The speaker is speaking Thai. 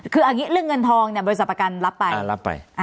คืออันนี้เรื่องเงินทองเนี่ยบริษัทประกันรับไป